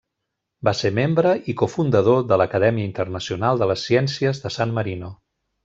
Va ser membre i cofundador de l'Acadèmia Internacional de les Ciències de San Marino.